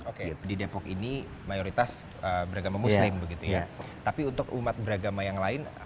oke di depok ini mayoritas beragama muslim begitu ya tapi untuk umat beragama yang lain